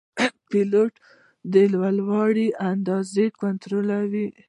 پیلوټ د لوړوالي اندازه کنټرولوي.